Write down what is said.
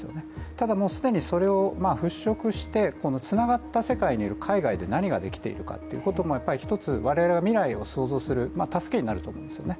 ただ、既にそれをふっしょくしてつながった世界にいる海外で何ができているかということもやっぱり１つ、我々が未来を想像する助けになると思うんですね。